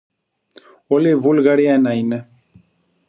Όλοι οι Βούλγαροι ένα είναι